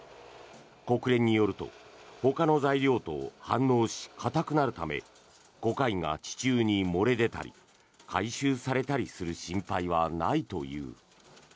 国連によるとほかの材料と反応し硬くなるためコカインが地中に漏れ出たり回収されたりする心配はないという。